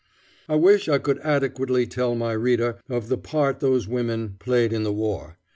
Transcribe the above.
I wish I could adequately tell my reader of the part those women played in the war.